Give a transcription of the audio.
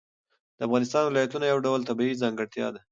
د افغانستان ولایتونه یو ډول طبیعي ځانګړتیا ده.